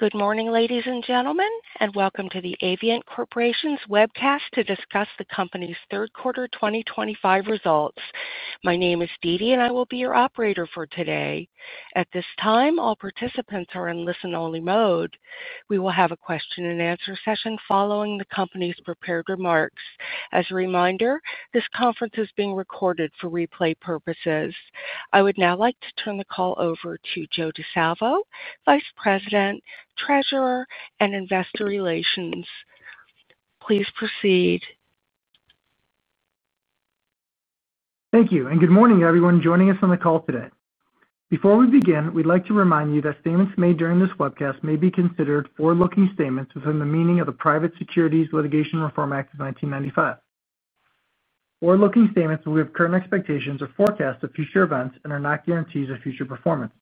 Good morning ladies and gentlemen and welcome to the Avient Corporation's webcast to discuss the company's third quarter 2025 results. My name is Dede and I will be your operator for today. At this time all participants are in listen only mode. We will have a question-and-answer session following the company's prepared remarks. As a reminder, this conference is being recorded for replay purposes. I would now like to turn the call over to Joe DiSalvo, Vice President, Treasurer, and Investor Relations. Please proceed. Thank you and good morning everyone joining us on the call today. Before we begin, we'd like to remind you that statements made during this webcast may be considered forward looking statements within the meaning of the Private Securities Litigation Reform Act of 1995. Forward looking statements have current expectations or forecasts of future events and are not guarantees of future performance.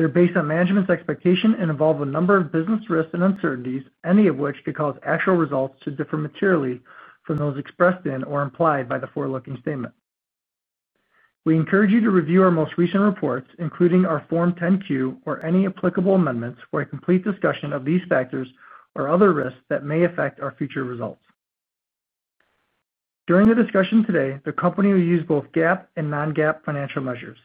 They're based on management's expectations and involve a number of business risks and uncertainties, any of which could cause actual results to differ materially from those expressed in or implied by the forward looking statements. We encourage you to review our most recent reports, including our Form 10-Q or any applicable amendments, for a complete discussion of these factors or other risks that may affect our future results. During the discussion today, the company will use both GAAP and non-GAAP financial measures.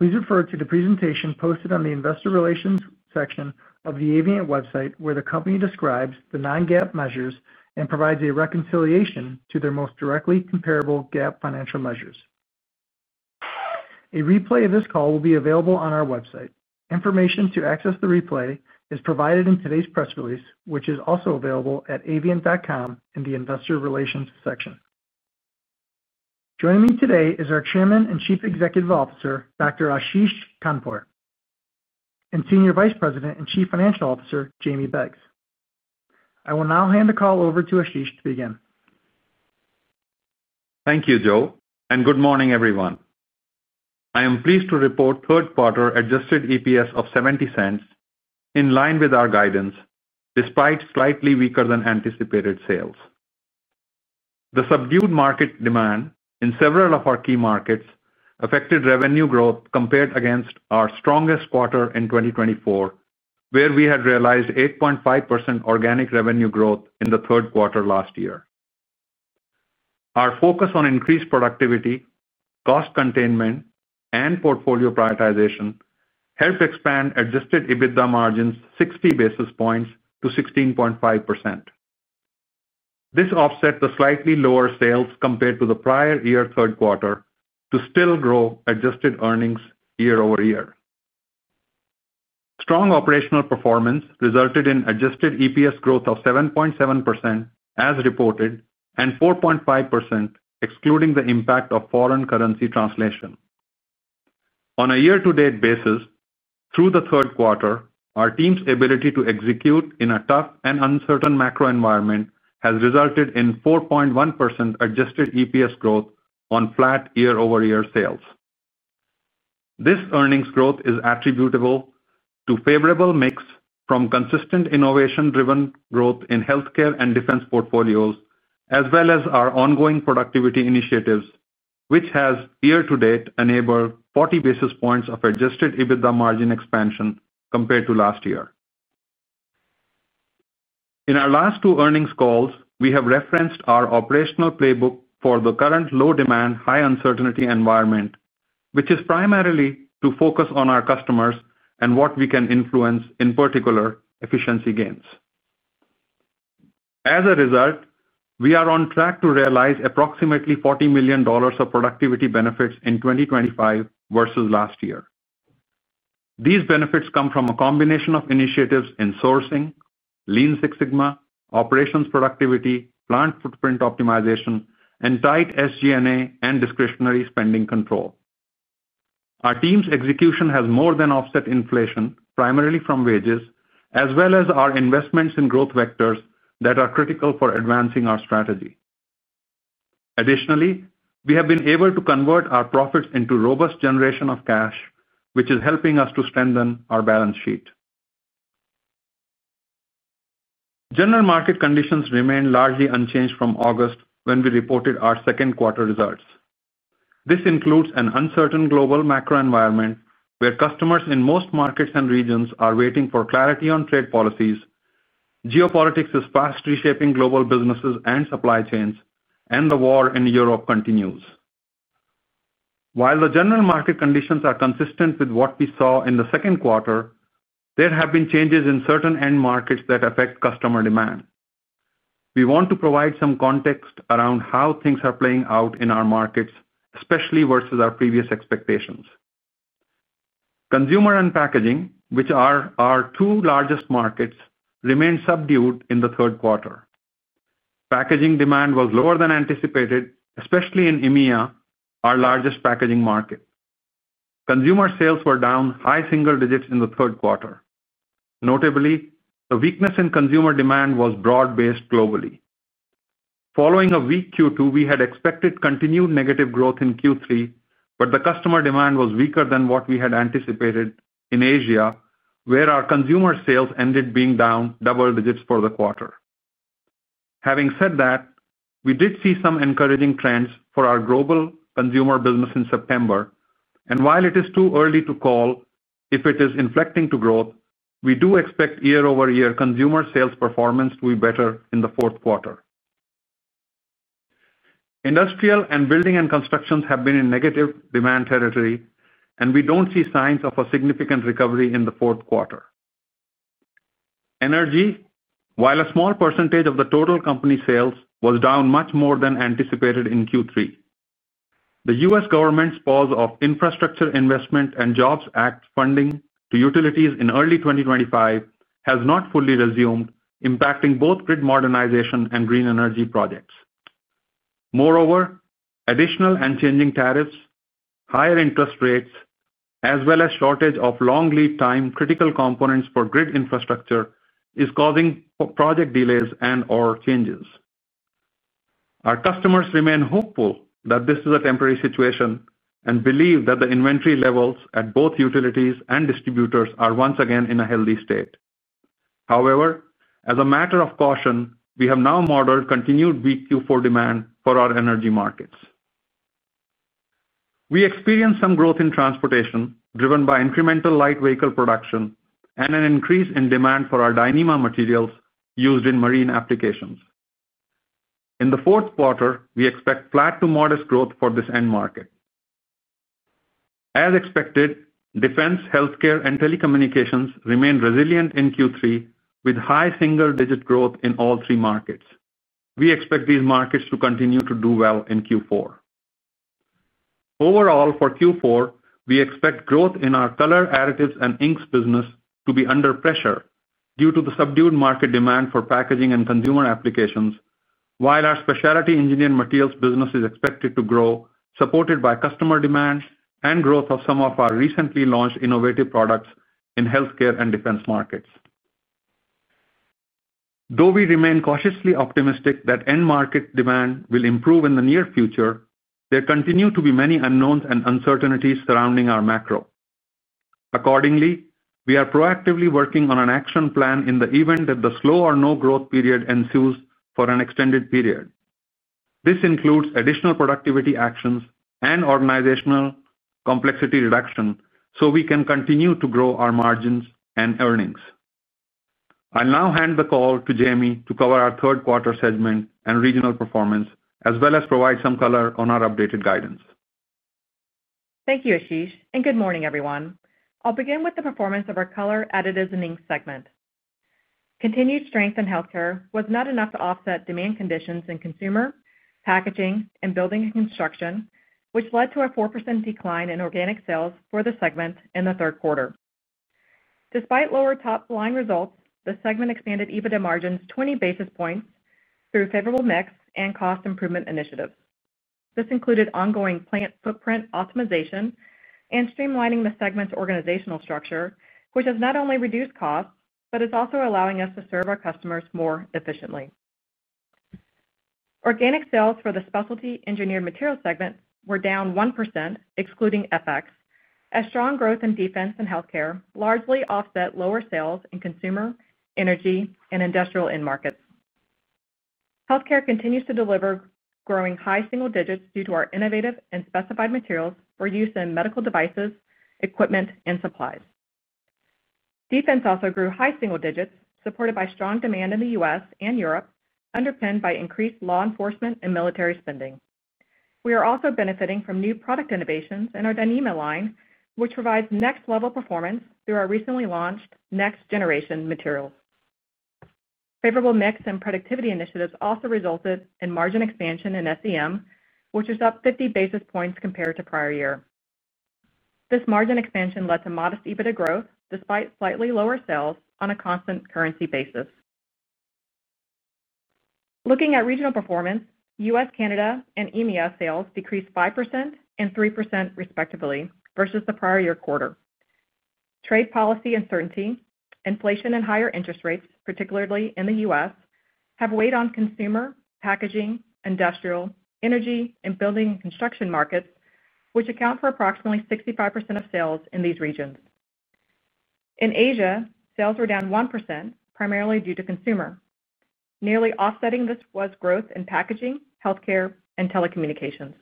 Please refer to the presentation posted on the Investor Relations section of the Avient website where the company describes the non-GAAP measures and provides a reconciliation to their most directly comparable GAAP financial measures. A replay of this call will be available on our website. Information to access the replay is provided in today's press release, which is also available at avient.com in the Investor Relations section. Joining me today is our Chairman and Chief Executive Officer Dr. Ashish Khandpur and Senior Vice President and Chief Financial Officer Jamie Beggs. I will now hand the call over to Ashish to begin. Thank you Joe and good morning everyone. I am pleased to report third quarter adjusted EPS of $0.70 in line with our guidance. Despite slightly weaker than anticipated sales, the subdued market demand in several of our key markets affected revenue growth compared against our strongest quarter in 2023 where we had realized 8.5% organic revenue growth in the third quarter last year. Our focus on increased productivity, cost containment, and portfolio prioritization helped expand adjusted EBITDA margins 60 basis points to 16.5%. This offset the slightly lower sales compared to the prior year third quarter to still grow adjusted earnings year-over-year. Strong operational performance resulted in adjusted EPS growth of 7.7% as reported and 4.5% excluding the impact of foreign currency translation. On a year-to-date basis through the third quarter, our team's ability to execute in a tough and uncertain macro environment has resulted in 4.1% adjusted EPS growth on flat year-over-year sales. This earnings growth is attributable to favorable mix from consistent innovation driven growth in healthcare and defense portfolios as well as our ongoing productivity initiatives which has year-to-date enabled 40 basis points of adjusted EBITDA margin expansion compared to last year. In our last two earnings calls we have referenced our operational playbook for the current low demand, high uncertainty environment which is primarily to focus on our customers and what we can influence in particular efficiency gains. As a result, we are on track to realize approximately $40 million of productivity benefits in 2025 versus last year. These benefits come from a combination of initiatives in sourcing, Lean Six Sigma, operations productivity, plant footprint optimization, and tight SGA and discretionary spending control. Our team's execution has more than offset inflation, primarily from wages, as well as our investments in growth vectors that are critical for advancing our strategy. Additionally, we have been able to convert our profits into robust generation of cash, which is helping us to strengthen our balance sheet. General market conditions remain largely unchanged from August when we reported our second quarter results. This includes an uncertain global macro environment where customers in most markets and regions are waiting for clarity on trade policies. Geopolitics is fast reshaping global businesses and supply chains, and the war in Europe continues. While the general market conditions are consistent with what we saw in the second quarter, there have been changes in certain end markets that affect customer demand. We want to provide some context around how things are playing out in our markets, especially versus our previous expectations. Consumer and packaging, which are our two largest markets, remained subdued in the third quarter. Packaging demand was lower than anticipated, especially in EMEA, our largest packaging market. Consumer sales were down high single digits in the third quarter. Notably, the weakness in consumer demand was broad-based globally. Following a weak Q2. We had expected continued negative growth in Q3, but the customer demand was weaker than what we had anticipated in Asia where our consumer sales ended being down double digits for the quarter. Having said that, we did see some encouraging trends for our global consumer business in September and while it is too early to call if it is inflecting to growth, we do expect year-over-year consumer sales performance to be better in the fourth quarter. Industrial and building and constructions have been in negative demand territory and we do not see signs of a significant recovery in the fourth quarter. Energy, while a small percentage of the total company sales, was down much more than anticipated in Q3. The U.S. government's pause of Infrastructure Investment and Jobs Act funding to utilities in early 2025 has not fully resumed, impacting both grid modernization and green energy projects. Moreover, additional and changing tariffs, higher interest rates, as well as shortage of long lead time critical components for grid infrastructure is causing project delays and/or changes. Our customers remain hopeful that this is a temporary situation and believe that the inventory levels at both utilities and distributors are once again in a healthy state. However, as a matter of caution, we have now modeled continued weak Q4 demand for our energy markets. We experienced some growth in transportation driven by incremental light vehicle production and an increase in demand for our Dyneema materials used in marine applications. In the fourth quarter, we expect flat to modest growth for this end market. As expected, defense, healthcare, and telecommunications remain resilient in Q3 with high single-digit growth in all three markets. We expect these markets to continue to do well in Q4. Overall, for Q4, we expect growth in our color additives and inks business to be under pressure due to the subdued market demand for packaging and consumer applications, while our specialty engineered materials business is expected to grow supported by customer demand and growth of some of our recently launched innovative products in healthcare and defense markets. Though we remain cautiously optimistic that end market demand will improve in the near future, there continue to be many unknowns and uncertainties surrounding our macro. Accordingly, we are proactively working on an action plan in the event that the slow or no growth period ensues for an extended period. This includes additional productivity actions and organizational complexity reduction so we can continue to grow our margins and earnings. I'll now hand the call to Jamie to cover our third quarter segment and regional performance as well as provide some color on our updated guidance. Thank you Ashish and good morning everyone. I'll begin with the performance of our Color Additives and Inks segment. Continued strength in healthcare was not enough to offset demand conditions in consumer packaging and building and construction, which led to a 4% decline in organic sales for the segment in the third quarter. Despite lower top line results, the segment expanded EBITDA margins 20 basis points through favorable mix and cost improvement initiatives. This included ongoing plant footprint optimization and streamlining the segment's organizational structure, which has not only reduced costs, but is also allowing us to serve our customers more efficiently. Organic sales for the Specialty Engineered Materials segment were down 1% excluding FX as strong growth in defense and healthcare largely offset lower sales in consumer energy and industrial end markets. Healthcare continues to deliver growing high single digits due to our innovative and specified materials for use in medical devices, equipment, and supplies. Defense also grew high single digits supported by strong demand in the U.S. and Europe, underpinned by increased law enforcement and military spending. We are also benefiting from new product innovations in our Dyneema line which provides next level performance through our recently launched next generation materials. Favorable mix and productivity initiatives also resulted in margin expansion in SEM which is up 50 basis points compared to prior year. This margin expansion led to modest EBITDA growth despite slightly lower sales on a constant currency basis. Looking at regional performance, U.S., Canada, and EMEA sales decreased 5% and 3% respectively versus the prior year quarter. Trade policy uncertainty, inflation and higher interest rates, particularly in the U.S., have weighed on consumer packaging, industrial, energy, and building and construction markets which account for approximately 65% of sales in these regions. In Asia, sales were down 1% primarily due to consumer. Nearly offsetting this was growth in packaging, healthcare, and telecommunications.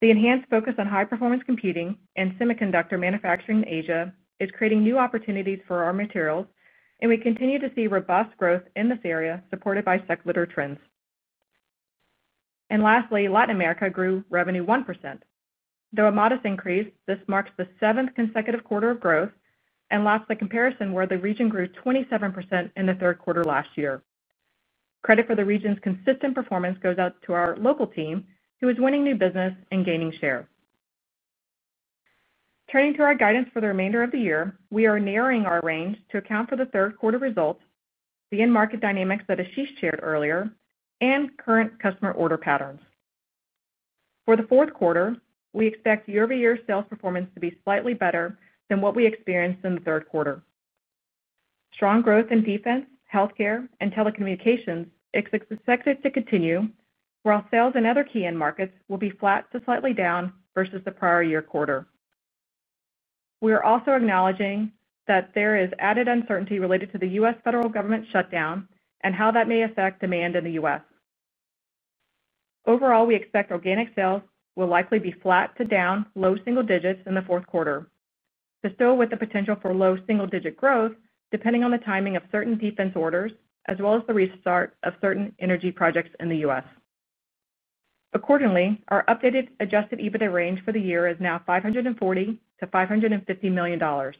The enhanced focus on high performance computing and semiconductor manufacturing in Asia is creating new opportunities for our materials and we continue to see robust growth in this area supported by secular trends. Lastly, Latin America grew revenue 1%, though a modest increase. This marks the seventh consecutive quarter of growth and lapsed the comparison where the region grew 27% in the third quarter last year. Credit for the region's consistent performance goes out to our local team who is winning new business and gaining share. Turning to our guidance for the remainder of the year, we are narrowing our range to account for the third quarter results, the end market dynamics that Ashish shared earlier, and current customer order patterns for the fourth quarter. We expect year-over-year sales performance to be slightly better than what we experienced in the third quarter. Strong growth in defense, healthcare, and telecommunications is expected to continue, while sales in other key end markets will be flat to slightly down from versus the prior year quarter. We are also acknowledging that there is added uncertainty related to the U.S. Federal government shutdown and how that may affect demand in the U.S. Overall, we expect organic sales will likely be flat to down low-single digits in the fourth quarter, but still with the potential for low single digit growth depending on the timing of certain defense orders as well as the restart of certain energy projects in the U.S. Accordingly, our updated adjusted EBITDA range for the year is now $540 million-$550 million.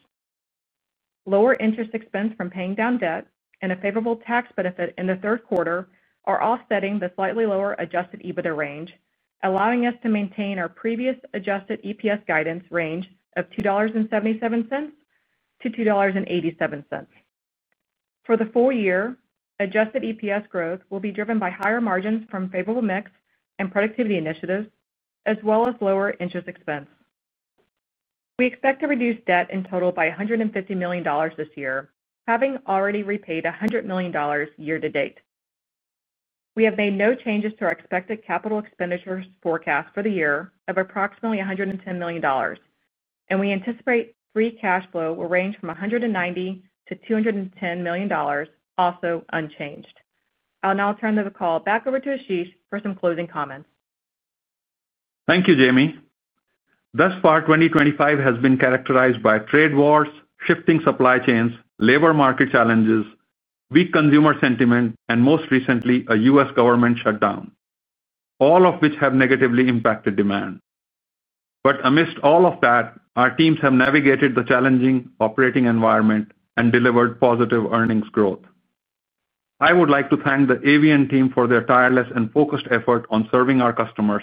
Lower interest expense from paying down debt and a favorable tax benefit in the third quarter are offsetting the slightly lower adjusted EBITDA range, allowing us to maintain our previous adjusted EPS guidance range of $2.77-$2.87 for the full year. Adjusted EPS growth will be driven by higher margins from favorable mix and productivity initiatives as well as lower interest expense. We expect to reduce debt in total by $150 million this year. Having already repaid $100 million year-to-date, we have made no changes to our expected capital expenditures forecast for the year of approximately $110 million, and we anticipate free cash flow will range from $190 million-$210 million, also unchanged. I'll now turn the call back over to Ashish for some closing comments. Thank you, Jamie. Thus far, 2025 has been characterized by trade wars, shifting supply chains, labor market challenges, weak consumer sentiment, and most recently a U.S. Government shutdown, all of which have negatively impacted demand. Amidst all of that, our teams have navigated the challenging operating environment and delivered positive earnings growth. I would like to thank the Avient team for their tireless and focused effort on serving our customers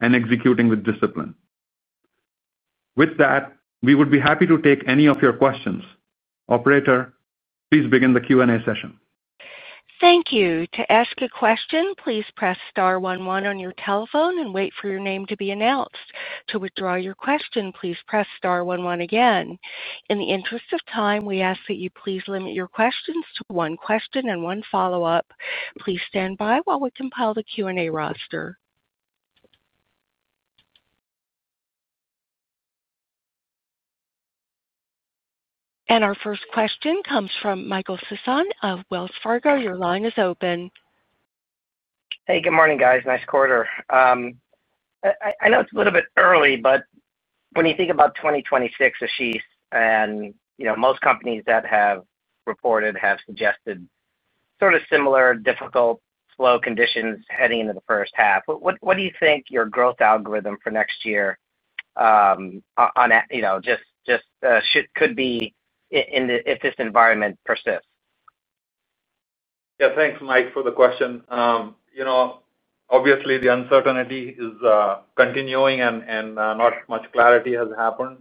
and executing with discipline. With that, we would be happy to take any of your questions. Operator, please begin the Q&A session. Thank you. To ask a question, please press star one one on your telephone and wait for your name to be announced. To withdraw your question, please press star one one again. In the interest of time, we ask that you please limit your questions to one. One question and one follow up. Please stand by while we compile the Q&A roster. Our first question comes from Michael Sison of Wells Fargo. Your line is open. Hey, good morning guys. Nice quarter. I know it's a little bit early. When you think about 2026, Ashish, and most companies that have reported have suggested sort of similar difficult, slow conditions heading into the first half. What do you think your growth algorithm for next year just could be if this environment persists? Yeah, thanks Mike for the question. Obviously the uncertainty is continuing and not much clarity has happened.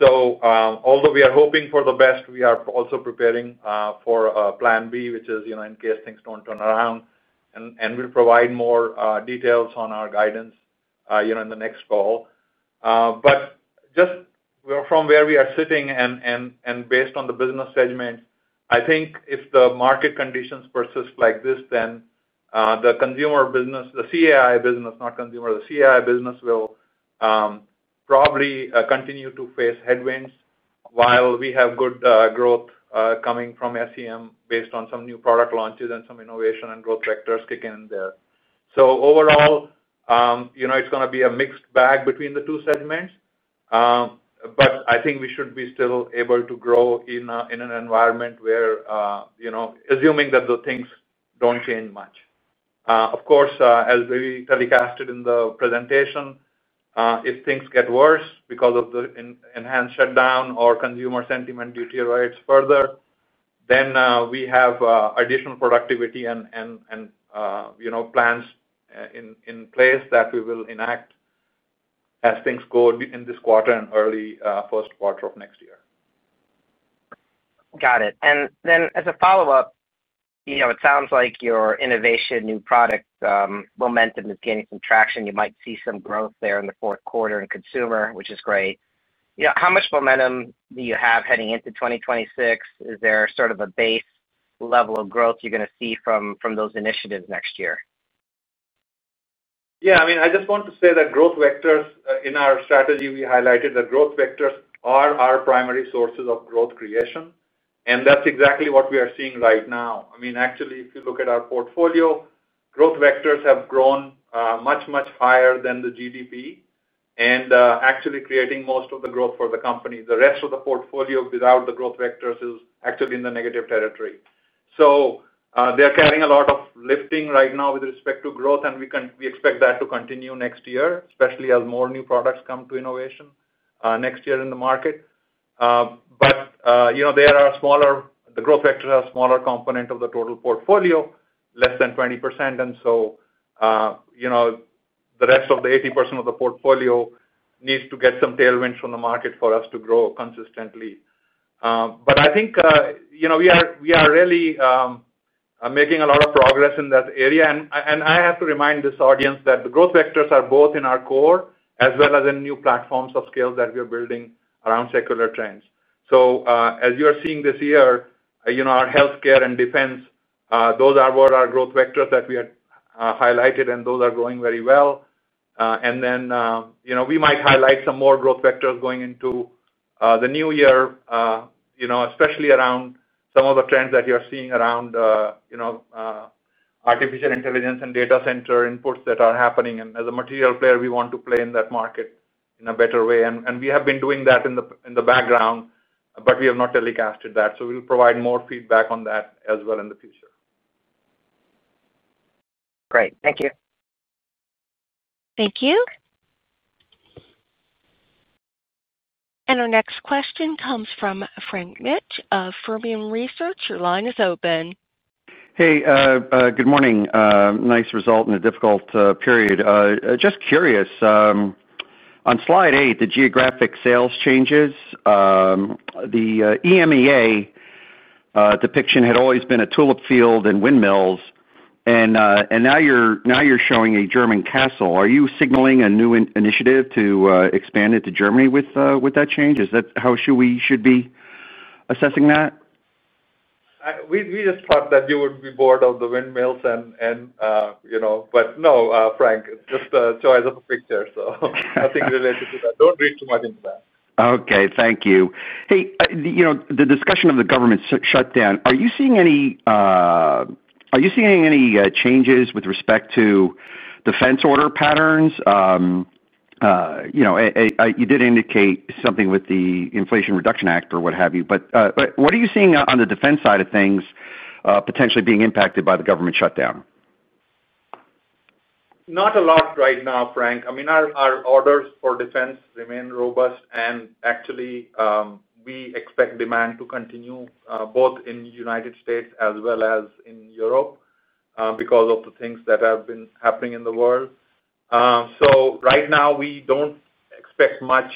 Although we are hoping for the best, we are also preparing for Plan B, which is in case things do not turn around. We will provide more details on our guidance in the next call. Just from where we are sitting and based on the business segments, I think if the market conditions persist like this, then the CAI business will probably continue to face headwinds while we have good growth coming from SEM based on some new product launches and some innovation and growth factors kicking in there. Overall, it is going to be a mixed bag between the two segments, but I think we should be still able to grow in an environment where, assuming that the things do not change much. Of course, as we telecasted in the presentation, if things get worse because of the enhanced shutdown or consumer sentiment deteriorates further, then we have additional productivity and plans in place that we will enact as things go in this quarter and early first quarter of next year. Got it. As a follow up, it sounds like your innovation new product momentum is gaining some traction. You might see some growth there in the fourth quarter in consumer, which is great. How much momentum do you have heading into 2026? Is there sort of a base level of growth you're going to see from those initiatives next year? Yeah, I mean, I just want to say that growth vectors in our strategy, we highlighted that growth vectors are our primary sources of growth creation. That's exactly what we are seeing right now. I mean, actually, if you look at our portfolio, growth vectors have grown much, much higher than the GDP and actually creating most of the growth for the company. The rest of the portfolio without the growth vectors is actually in the negative territory. They are carrying a lot of lifting right now with respect to growth, and we expect that to continue next year, especially as more new products come to innovation next year in the market. But, you know, the growth vector are smaller component of the total portfolio, less than 20%. You know, the rest of the 80% of the portfolio needs to get some tailwinds from the market for us to grow consistently. I think, you know, we are really making a lot of progress in that area. I have to remind this audience that the growth vectors are both in our core as well as in new platforms of scale that we are building around secular trends. As you are seeing this year, our healthcare and defense, those are our growth vectors that we had highlighted and those are growing very well. We might highlight some more growth vectors going into the new year, especially around some of the trends that you are seeing around artificial intelligence and data center inputs that are happening. As a material player, we want to play in that market in a better way. We have been doing that in the background, but we have not telecasted that. We will provide more feedback on that as well in the future. Great, thank you. Thank you. Our next question comes from Frank Mitsch of Fermium Research. Your line is open. Hey, good morning. Nice result in a difficult period. Just curious on slide eight, the geographic sales changes. The EMEA depiction had always been a tulip field and windmills and now you're showing a German castle. Are you signaling a new initiative to expand into Germany with that change? Is that how should we be assessing that? We just thought that you would be bored of the windmills. No, Frank, just a choice of a picture. Nothing related to that. Do not read too much information. Okay, thank you. Hey, you know the discussion of the government shutdown, are you seeing any, are you seeing any changes with respect to defense order patterns? You know, you did indicate something with the Inflation Reduction Act or what have you. What are you seeing on the defense side of things potentially being impacted by the government shutdown? Not a lot right now, Frank. I mean, our orders for defense remain robust and actually we expect demand to continue both in the United States as well as in Europe because of the things that have been happening in the world. Right now we do not expect much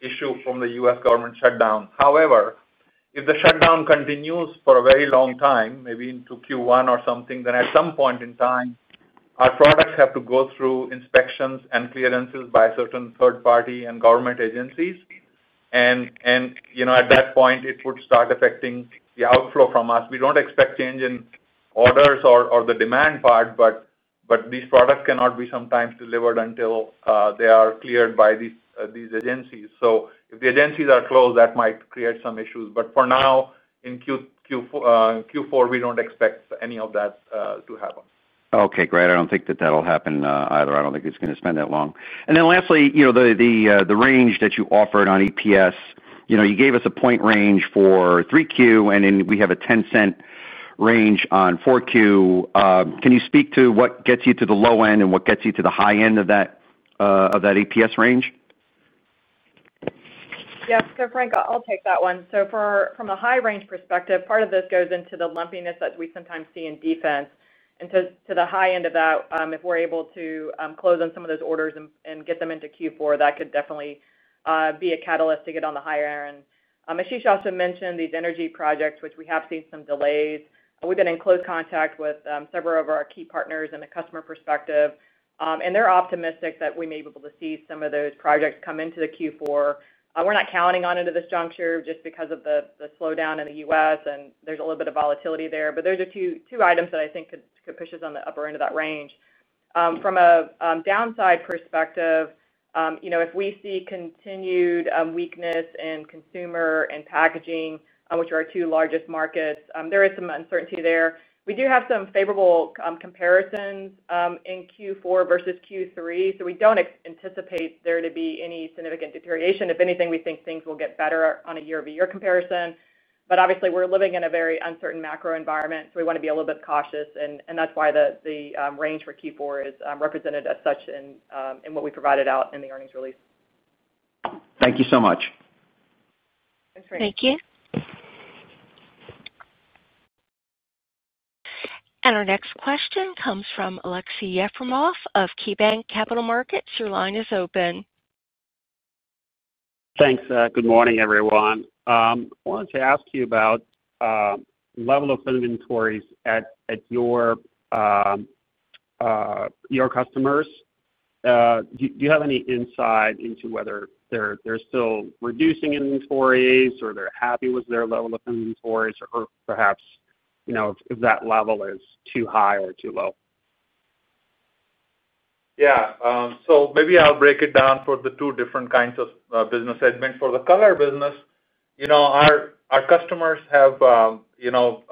issue from the U.S. Government shutdown. However, if the shutdown continues for a very long time, maybe into Q1 or something, then at some point in time our products have to go through inspections and clearances by certain third party and government agencies. At that point it would start affecting the outflow from us. We do not expect change in orders or the demand part. These products cannot be sometimes delivered until they are cleared by these agencies. If the agencies are closed, that might create some issues. For now in Q4, we don't expect any of that to happen. Okay, great. I do not think that that will happen either. I do not think it is going to spend that long. Lastly, the range that you offered on EPS, you gave us a point range for 3Q and then we have a $0.10 range on 4Q. Can you speak to what gets you to the low end and what gets you to the high end of that EPS range? Yes. Frank, I'll take that one. From a high range perspective, part of this goes into the lumpiness that. We sometimes see in defense and to the high end of that. If we're able to close on some of those orders and get them into Q4, that could definitely be a catalyst to get on the higher end. Ashish also mentioned these energy projects which we have seen some delays. We've been in close contact with several. Of our key partners in the customer. Perspective and they're optimistic that we may be able to see some of those projects come into the Q4. We're not counting on it at this juncture just because of the slowdown in the U.S. and there's a little bit of volatility there. Those are two items that I think could push us on the upper end of that range. From a downside perspective, if we see continued weakness in consumer and packaging, which are our two largest markets, there is some uncertainty there. We do have some favorable comparisons in Q4 versus Q3, so we don't anticipate there to be any significant deterioration. If anything, we think things will get better on a year-over-year comparison. Obviously, we're living in a very uncertain macro environment, so we want to be a little bit cautious. That's why the range for Q4 is represented as such in what we provided out in the earnings release. Thank you so much. Thank you. Our next question comes from Alexei Yefremov of KeyBanc Capital Markets. Your line is open. Thanks. Good morning everyone. I wanted to ask you about level of inventories at your customers. Do you have any insight into whether they're still reducing inventories or they're happy with their level of inventories or perhaps if that level is too high or too low? Yeah, so maybe I'll break it down for the two different kinds of business segment. For the color business, you know, our customers have, you know,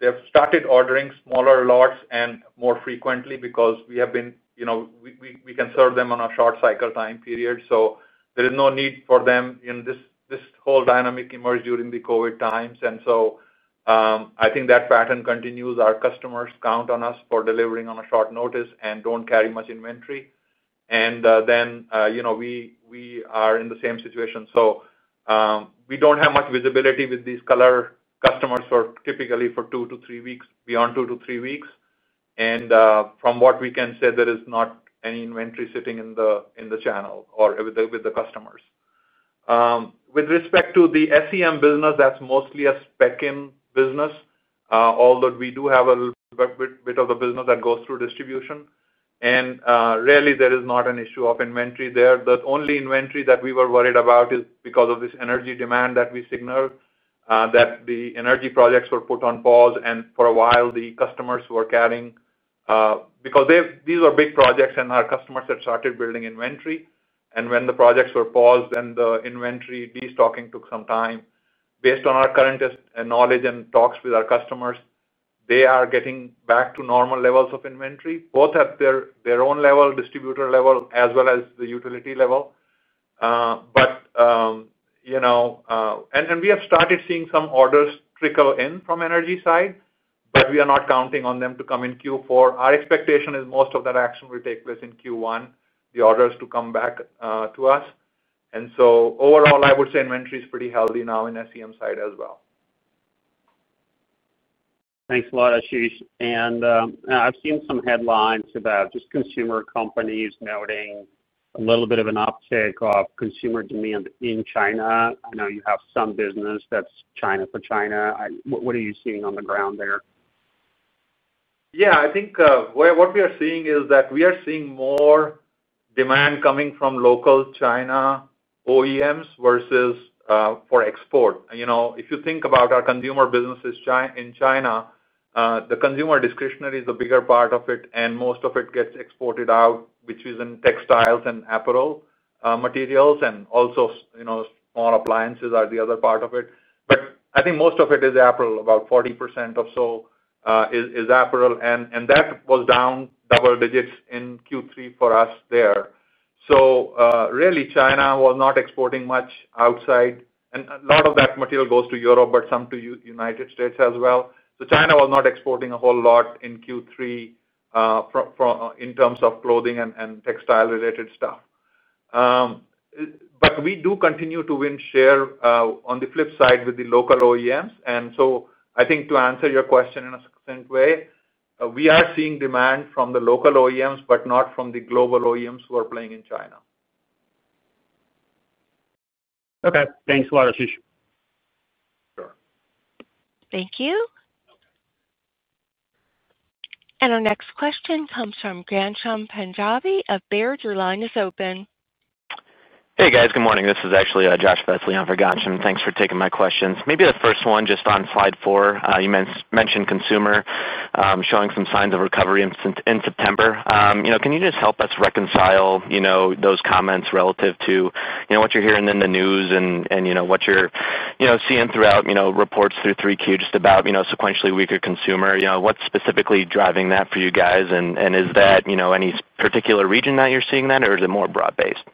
they've started ordering smaller lots and more frequently because we have been, you know, we can serve them on a short cycle time period. There is no need for them in this whole dynamic emerged during the COVID times. I think that pattern continues. Our customers count on us for delivering on a short notice and don't carry much inventory. We are in the same situation. We don't have much visibility with these color customers typically for two to three weeks. Beyond two to three weeks and from what we can say, there is not any inventory sitting in the channel or with the customers. With respect to the SEM business, that's mostly a spec in business, although we do have a bit of a business that goes through distribution. There is not an issue of inventory there. The only inventory that we were worried about is because of this energy demand that we signaled that the energy projects were put on pause and for a while the customers were carrying because these were big projects and our customers had started building inventory. When the projects were paused then the inventory destocking took some time. Based on our current knowledge and talks with our customers, they are getting back to normal levels of inventory both at their own level, distributor level as well as the utility level. You know, we have started seeing some orders trickle in from the energy side, but we are not counting on them to come in Q4. Our expectation is most of that action will take place in Q1, the orders to come back to us. Overall, I would say inventory is pretty healthy now in SEM side as well. Thanks a lot, Ashish. I've seen some headlines about just consumer companies noting a little bit of an uptick of consumer demand in China. I know you have some business that's China for China. What are you seeing on the ground there? Yeah, I think what we are seeing is that we are seeing more demand coming from local China OEMs versus for export. If you think about our consumer business in China, the consumer discretionary is a bigger part of it and most of it gets exported out, which is in textiles and apparel materials and also small appliances are the other part of it. I think most of it is apparel. About 40% or so is apparel. That was down double digits in Q3 for us there. Really, China was not exporting much outside and a lot of that material goes to Europe, but some to United States as well. China was not exporting a whole lot in Q3 in terms of clothing and textile related stuff. We do continue to win share on the flip side with the local OEMs. I think to answer your question in a succinct way, we are seeing demand from the local OEMs but not from the global OEMs who are playing in China. Okay, thanks a lot, Ashish. Thank you. Our next question comes from Ghansham Punjabi of Baird. Your line is open. Hey guys, good morning. This is actually Josh Vetzlian for Ghansham. Thanks for taking my questions. Maybe the first one just on slide four, you mentioned consumer showing some signs of recovery in September. Can you just help us reconcile those comments relative to what you're hearing in the news and what you're seeing throughout reports through 3Q just about sequentially weaker consumer? What's specifically driving that for you guys? And is that any particular region that you're seeing that or is it more broad-based?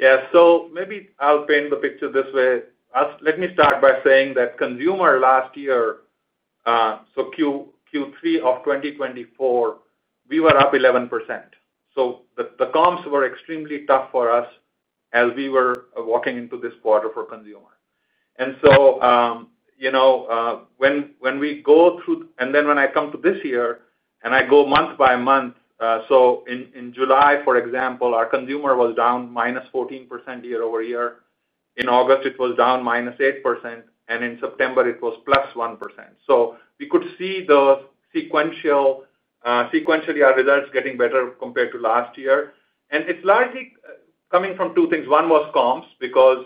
Yeah, so maybe I'll paint the picture this way. Let me start by saying that consumer last year, so Q3 of 2024, we were up 11%. The comps were extremely tough for us as we were walking into this quarter for consumer. You know, when we go through and then when I come to this year and I go month by month. In July, for example, our consumer was down -14% year-over-year. In August it was down -8% and in September it was +1%. We could see sequentially our results getting better compared to last year. It's largely coming from two things. One was comps because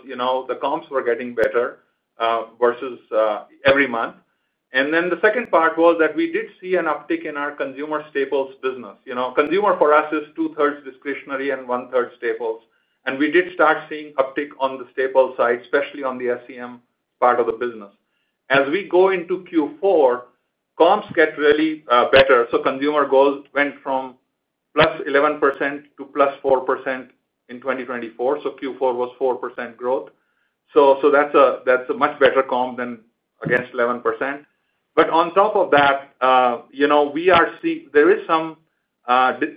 the comps were getting better versus every month. The second part was that we did see an uptick in our consumer staples business. Consumer for us is 2/3 discretionary and 1/3 staples. We did start seeing uptick on the staples side, especially on the SEM part of the business. As we go into Q4, comps get really better. Consumer goals went from plus 11% to +4% in 2024. Q4 was 4% growth. That is a much better comp than against 11%. On top of that there is some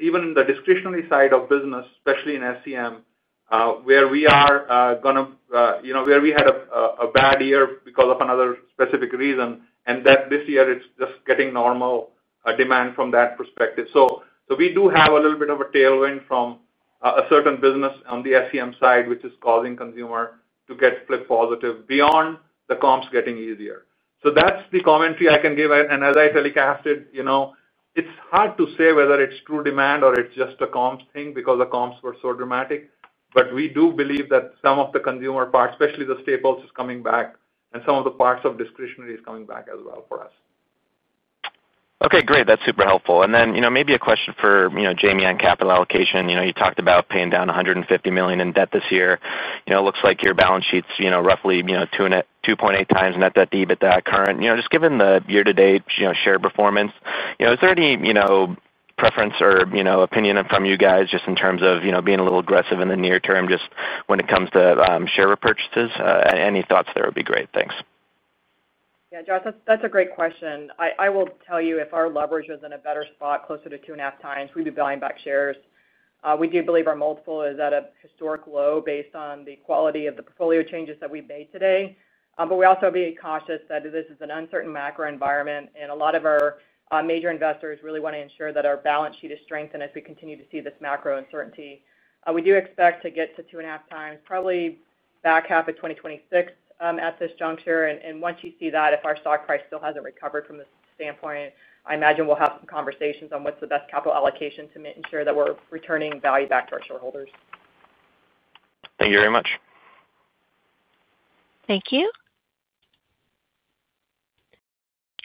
even in the discretionary side of business, especially in SEM where we are going to where we had a bad year because of another specific reason. This year it is just getting normal demand from that perspective. We do have a little bit of a tailwind from a certain business on the SEM side which is causing consumer to get positive beyond the comps getting easier. That is the commentary I can give. As I telecasted, it is hard to say whether it is true demand or it is just a comps thing because the comps were so dramatic. We do believe that some of the consumer parts, especially the staples, are coming back and some of the parts of discretionary are coming back as well for us. Okay, great. That's super helpful. Maybe a question for Jamie on capital allocation. You talked about paying down $150 million in debt this year. It looks like your balance sheet's roughly 2.8x net debt to EBITDA current just given the year-to-date share performance. Is there any preference or opinion from you guys just in terms of being a little aggressive in the near term? Just when it comes to share repurchases. Any thoughts? That would be great, Josh. That's a great question. I will tell you if our leverage was in a better spot closer to 2.5x, we'd be buying back shares. We do believe our multiple is at a historic low based on the quality of the portfolio changes that we've made today. We also are cautious that this is an uncertain macro environment and a lot of our major investors really want to ensure that our balance sheet is strengthened as we continue to see this macro uncertainty. We do expect to get to 2.5x, probably back half of 2026 at this juncture. Once you see that, if our stock price still hasn't recovered from the standpoint, I imagine we'll have some conversations on what's the best capital allocation to make sure that we're returning value back to our shareholders. Thank you very much. Thank you.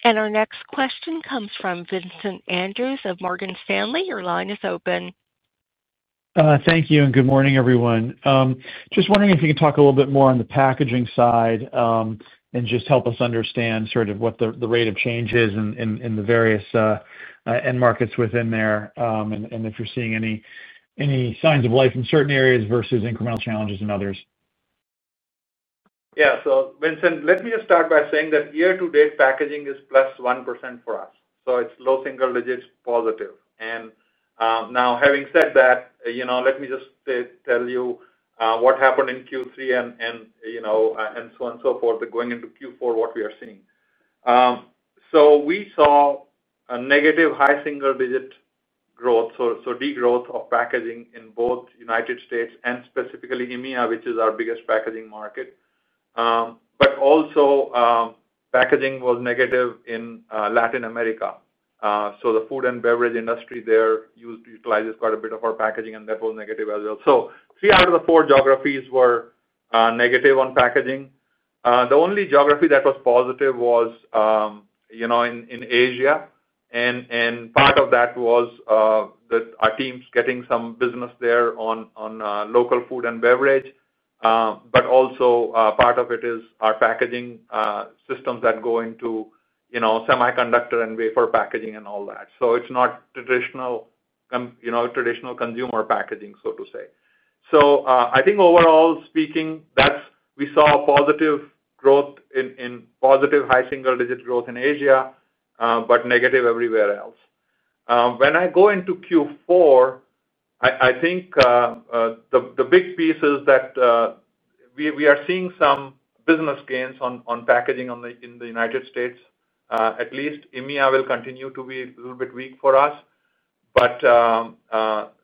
Our next question comes from Vincent Andrews of Morgan Stanley. Your line is open. Thank you and good morning everyone. Just wondering if you can talk a little bit more on the packaging side and just help us understand sort of what the rate of change is in the various end markets within there and if you're seeing any signs of life in certain areas versus incremental challenges in others. Yeah. So Vincent, let me just start by saying that year-to-date packaging is plus 1% for us. So it's low-single-digits positive. Now, having said that, let me just tell you what happened in Q3 and so on and so forth. Going into Q4, what we are seeing. We saw a negative high single digit growth, so de growth of packaging in both United States and specifically EMEA, which is our biggest packaging market. Also, packaging was negative in Latin America. The food and beverage industry there used to utilize quite a bit of our packaging and that was negative as well. Three out of the four geographies were negative on packaging. The only geography that was positive was in Asia. Part of that was our teams getting some business there on local food and beverage. But also part of it is our packaging systems that go into semiconductor and wafer packaging and all that. So it's not traditional consumer packaging, so to say. I think overall speaking, we saw positive growth in. Positive. High-single-digit growth in Asia, but negative everywhere else. When I go into Q4, I think the big piece is that we are seeing some business gains on packaging in the United States at least. EMEA will continue to be a little bit weak for us.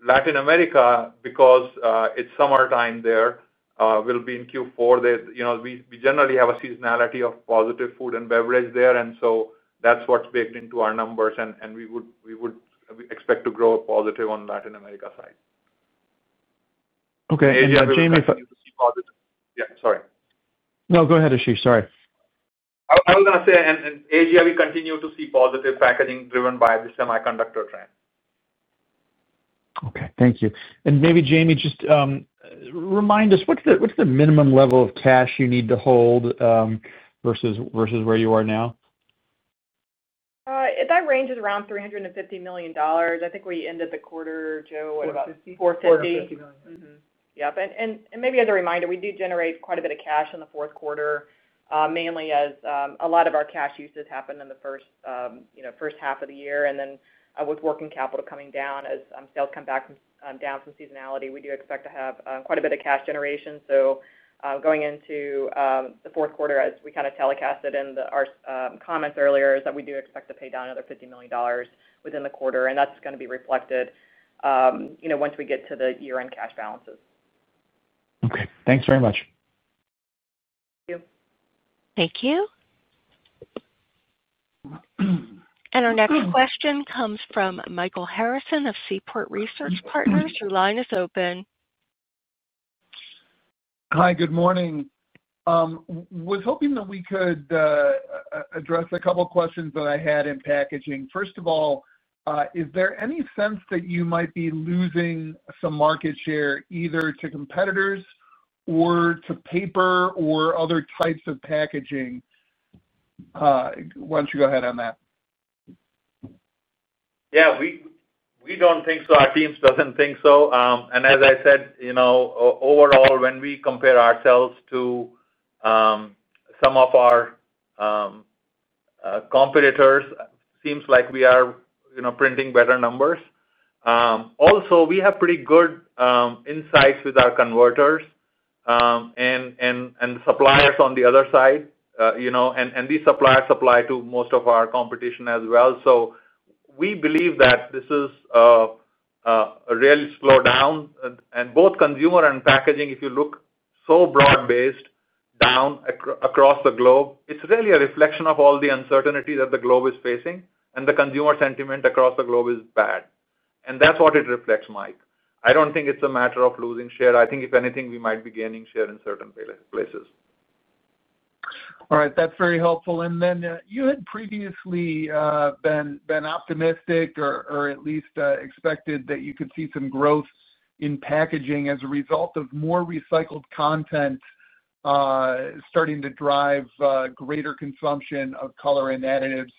Latin America, because it's summertime, there will be in Q4 we generally have a seasonality of positive food and beverage there. That's what's baked into our numbers. We would expect to grow positive on Latin America side. Okay. Yeah, sorry. No, go ahead, Ashish. Sorry. I was going to say in Asia we continue to see positive packaging driven by the semiconductor trend. Okay, thank you. Maybe Jamie, just remind us, what's the minimum level of cash you need to hold versus where you are now? That range is around $350 million. I think we ended the quarter, Joe, at about $450 million. Yep. Maybe as a reminder, we do generate quite a bit of cash in the fourth quarter, mainly as a lot of our cash uses happen in the first half of the year. With working capital coming down as sales come back down from seasonality, we do expect to have quite a bit of cash generation. Going into the fourth quarter, as we kind of telecasted in our comments earlier, we do expect to pay down $50 million within the quarter. That is going to be reflected once we get to the year end cash balances. Okay, thanks very much. Thank you. Our next question comes from Michael Harrison of Seaport Research Partners. Your line is open. Hi, good morning. Was hoping that we could address a couple questions that I had in packaging. First of all, is there any sense that you might be losing some market share either to competitors or to paper or other types of packaging? Why don't you go ahead on that? Yeah, we don't think so. Our team doesn't think so. As I said, overall, when we compare ourselves to some of our competitors, it seems like we are printing better numbers. Also, we have pretty good insights with our converters and suppliers on the other side. These suppliers apply to most of our competition as well. We believe that this is a real slowdown. Both consumer and packaging, if you look, are so broad based down across the globe. It is really a reflection of all the uncertainty that the globe is facing, and the consumer sentiment across the globe is bad, and that is what it reflects. Mike, I don't think it is a matter of losing share. I think if anything, we might be gaining share in certain places. All right, that's very helpful. You had previously been optimistic or at least expected that you could see some growth in packaging as a result of more recycled content starting to drive greater consumption of color and additives.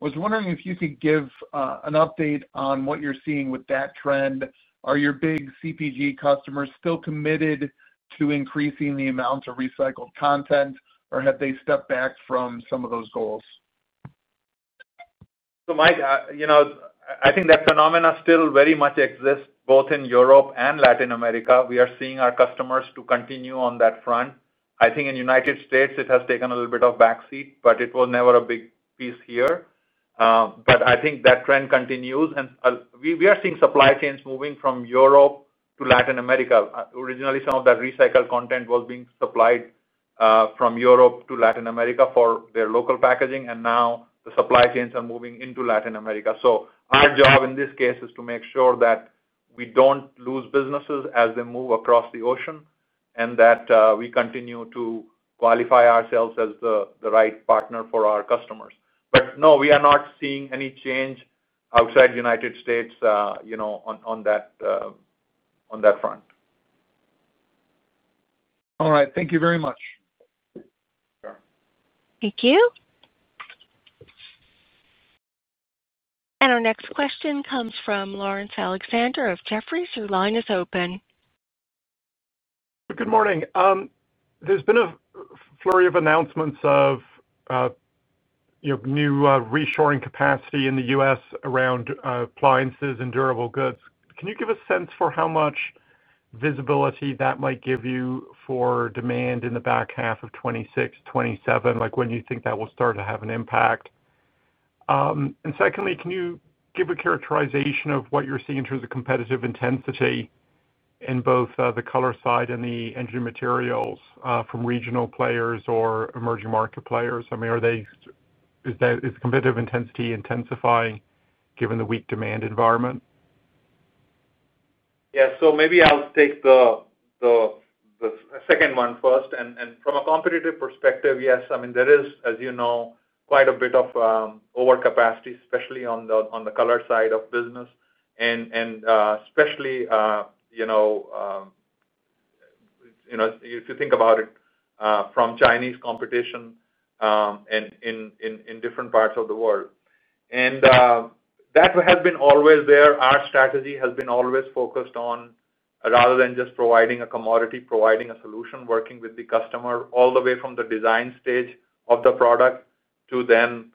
Was wondering if you could give an update on what you're seeing with that trend. Are your big CPG customers still committed to increasing the amount of recycled content or have they stepped back from some of those goals? Mike, I think that phenomena still very much exists both in Europe and Latin America. We are seeing our customers continue on that front. I think in the United States it has taken a little bit of a backseat, but it was never a big piece here. I think that trend continues and we are seeing supply chains moving from Europe to Latin America. Originally, some of that recycled content was being supplied from Europe to Latin America for their local packaging, and now the supply chains are moving into Latin America. Our job in this case is to make sure that we do not lose business as they move across the ocean and that we continue to qualify ourselves as the right partner for our customers. No, we are not seeing any change outside the United States on that front. All right, thank you very much. Thank you. Our next question comes from Laurence Alexander of Jefferies. Your line is open. Good morning. There's been a flurry of announcements of new reshoring capacity in the U.S. around appliances and durable goods. Can you give a sense for how much visibility that might give you for demand in the back half of 2026, 2027? Like when you think that will start to have an impact? Secondly, can you give a characterization of what you're seeing in terms of competitive intensity in both the color side and the engineered materials from regional players or emerging market players? I mean, are they. Is competitive intensity intensifying given the weak demand environment? Maybe I'll take the second one first. From a competitive perspective, yes, I mean, there is, as you know, quite a bit of overcapacity, especially on the color side of business, and especially if you think about it from Chinese competition in different parts of the world. That has been always there. Our strategy has been always focused on, rather than just providing a commodity, providing a solution, working with the customer all the way from the design stage, the product, to then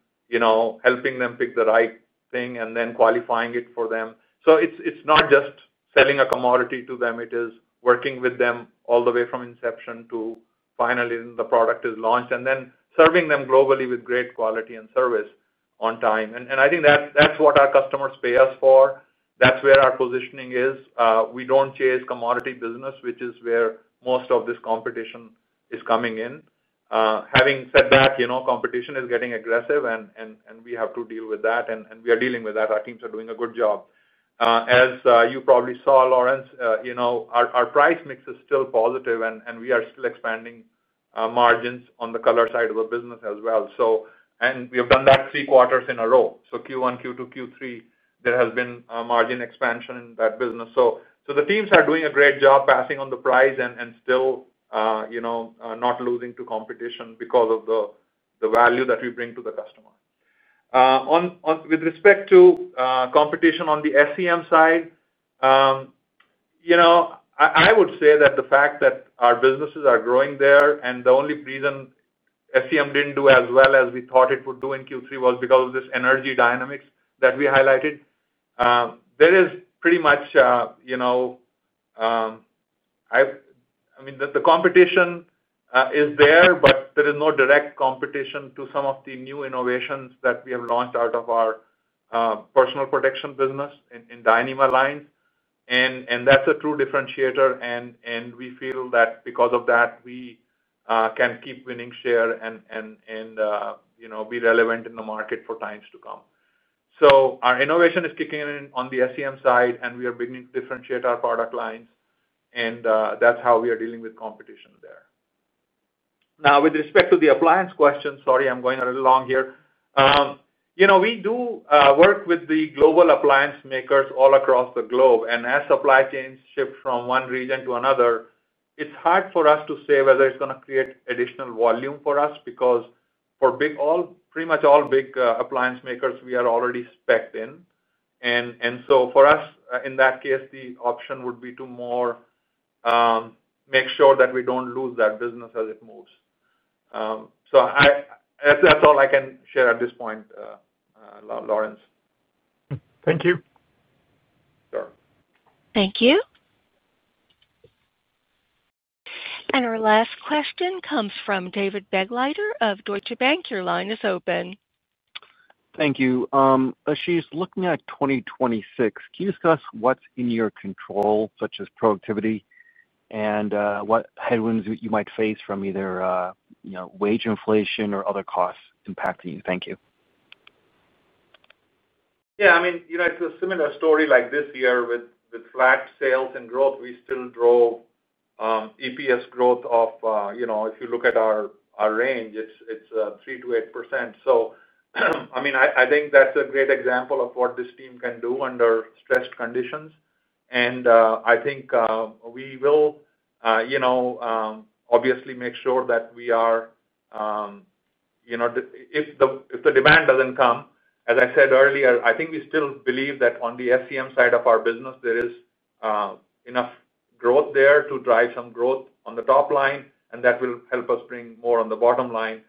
helping them pick the right thing and then qualifying it for them. It's not just selling a commodity to them. It is working with them all the way from inception to finally the product is launched and then serving them globally with great quality and service on time. I think that's what our customers pay us for. That's where our positioning is. We do not chase commodity business, which is where most of this competition is coming in. Having said that, competition is getting aggressive, and we have to deal with that, and we are dealing with that. Our teams are doing a good job, as you probably saw, Lawrence. Our price mix is still positive, and we are still expanding margins on the color side of the business as well. We have done that three quarters in a row. Q1, Q2, Q3, there has been margin expansion in that business. The teams are doing a great job passing on the price and still not losing to competition because of the value that we bring to the customer. With respect to competition on the SEM side. I would say that the fact that our businesses are growing there and the only reason SEM did not do as well as we thought it would do in Q3 was because of this energy dynamics that we highlighted. There is pretty much, you know, I mean, the competition is there, but there is no direct competition to some of the new innovations that we have launched out of our personal protection business in Dyneema Lines. That is a true differentiator and we feel that because of that we can keep winning share and, you know, be relevant in the market for times to come. Our innovation is kicking in on the SEM side and we are beginning to differentiate our product lines and that is how we are dealing with competition there. Now, with respect to the appliance question, sorry, I am going a little long here. You know, we do work with the global appliance makers all across the globe and as supply chains shift from one region to another, it's hard for us to say whether it's going to create additional volume for us because for pretty much all big appliance makers we are already specked in. For us in that case the option would be to more make sure that we don't lose that business as it moves. That's all I can share at this point. Lawrence, thank you. Thank you. Our last question comes from David Begleiter of Deutsche Bank. Your line is open. Thank you. Ashish, looking at 2026, can you discuss what's in your control such as productivity and what headwinds you might face from either wage inflation or other costs impacting you? Thank you. Yeah, I mean it's a similar story like this year with flat sales and growth, we still drove EPS growth of, if you look at our range, it's 3%-8%. I mean I think that's a great example of what this team can do under stressed conditions. I think we will obviously make sure that we are. If the demand doesn't come, as I said earlier, I think we still believe that on the SEM side of our business there is enough growth there to drive some growth on the top line and that will help us bring more on the bottom line.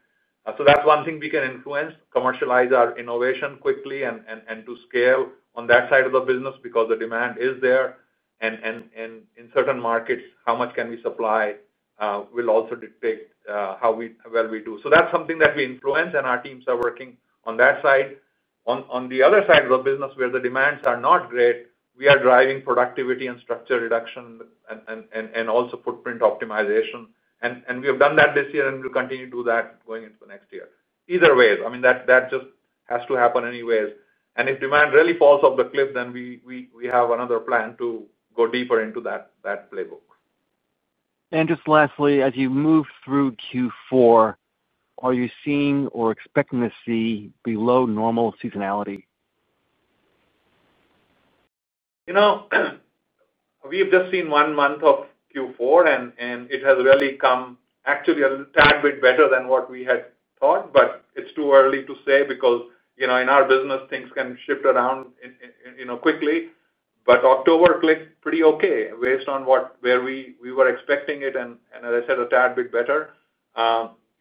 That's one thing we can influence, commercialize our innovation quickly and to scale on that side of the business because the demand is there in certain markets, how much can we supply will also dictate how well we do. That's something that we influence and our teams are working on that side. On the other side of the business where the demands are not great, we are driving productivity and structure reduction and also footprint optimization and we have done that this year and we'll continue to do that going into next year. Either way, that just has to happen anyways. If demand really falls off the cliff, then we have another plan to go deeper into that playbook. Just lastly as you move through. Q4, are you seeing or expecting to see below normal seasonality? You know we've just seen one month of Q4 and it has really come actually a tad bit better than what we had thought, but it's too early to say because you know in our business things can shift around quickly. October clicked pretty okay based on where we were expecting it and, as I said, a tad bit better.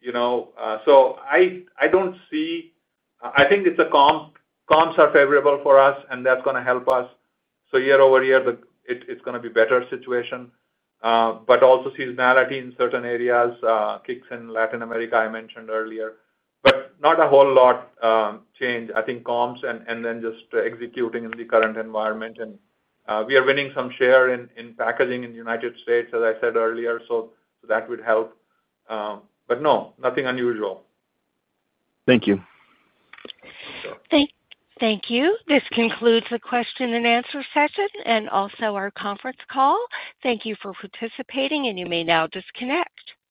You know, I don't see, I think comps are favorable for us and that's going to help us. year-over-year, it's going to be a better situation, but also seasonality in certain areas kicks in. Latin America, I mentioned earlier, but not a whole lot changed. I think comps and then just executing in the current environment, and we are winning some share in packaging in the United States, as I said earlier, so that would help, but no, nothing unusual. Thank you. Thank you. This concludes the question-and-answer session and also our conference call. Thank you for participating and you may now disconnect.